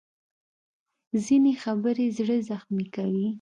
ځینې خبرې زړه زخمي کوي